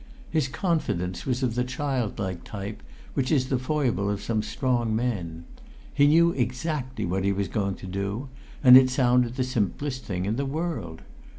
His confidence was of the childlike type which is the foible of some strong men. He knew exactly what he was going to do, and it sounded the simplest thing in the world.